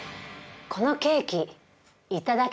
このケーキ。